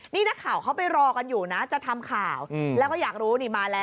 นี่นักข่าวเขาไปรอกันอยู่นะจะทำข่าวแล้วก็อยากรู้นี่มาแล้ว